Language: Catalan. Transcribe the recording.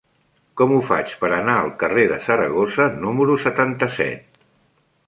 Com ho faig per anar al carrer de Saragossa número setanta-set?